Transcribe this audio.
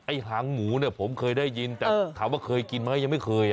หางหมูเนี่ยผมเคยได้ยินแต่ถามว่าเคยกินไหมยังไม่เคย